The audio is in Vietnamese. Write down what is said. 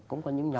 cũng có những nhóm